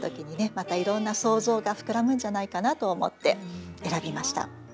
またいろんな想像が膨らむんじゃないかなと思って選びました。